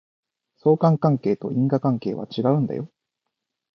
相関関係と因果関係は違うんだよ